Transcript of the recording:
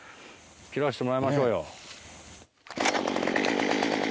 切らしてもらいましょうよ。